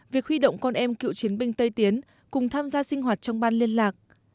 việc huy động con em cựu chiến binh tây tiến cùng tham gia sinh hoạt trong ban liên lạc